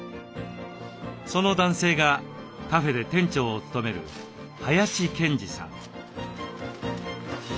その男性がカフェで店長を務める林健二さん。